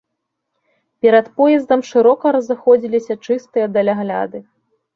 Перад поездам шырока разыходзіліся чыстыя далягляды.